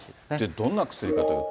どんな薬かというと。